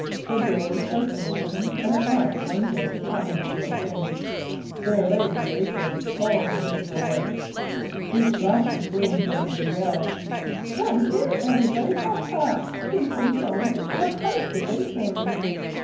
The door was partly open, and at last one old jay happened to look in. There lay the acorns all over the floor. "He flapped his wings and gave a yell: 'Come here, everybody! Ha! Ha! He's been trying to fill a house with acorns!'